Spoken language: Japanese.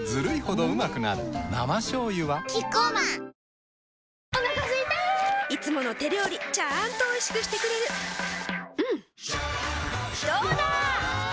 生しょうゆはキッコーマンお腹すいたいつもの手料理ちゃんとおいしくしてくれるジューうんどうだわ！